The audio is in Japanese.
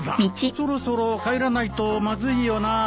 そろそろ帰らないとまずいよなあ。